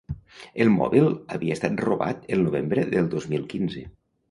El mòbil havia estat robat el novembre del dos mil quinze.